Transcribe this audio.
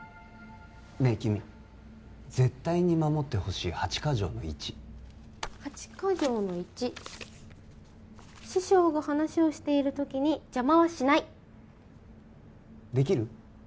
ねえ君絶対に守ってほしい８カ条の１８カ条の１師匠が話をしている時に邪魔はしないできる？